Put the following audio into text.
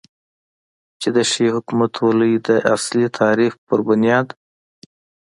چې د ښې حکومتولې داصلي تعریف په بنیاد